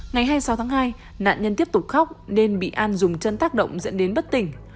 ngày hai mươi sáu tháng hai nạn nhân tiếp tục khóc nên bị an dùng chân tác động dẫn đến bất tỉnh